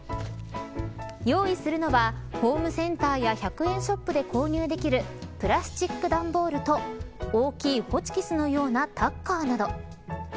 用意するのはホームセンターや１００円ショップで購入できるプラスチック段ボールと大きいホチキスのようなタッカーなど。